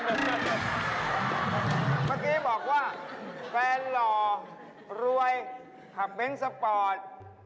เมื่อกี้บอกว่าแฟนหล่อรวยขับเบ้นสปอร์ต